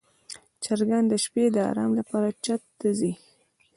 چرګان د شپې د آرام لپاره چت ته ځي.